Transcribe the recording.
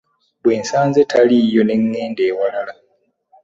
Bwe nsanze taliiyo ne ŋŋenda awalala.